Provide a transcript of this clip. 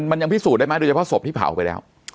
มันยังพิสูจนได้ไหมโดยเฉพาะศพที่เผาไปแล้ว